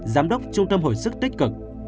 giám đốc trung tâm hồi sức tích cực